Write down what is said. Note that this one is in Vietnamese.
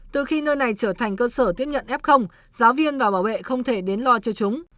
từ khi nơi này trở thành cơ sở tiếp nhận f giáo viên và bảo vệ không thể đến lo cho chúng